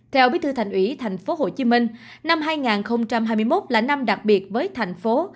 theo bí thư thành ủy thành phố hồ chí minh năm hai nghìn hai mươi một là năm đặc biệt với thành phố